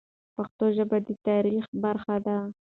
پښتو ژبه د تاریخ برخه ده.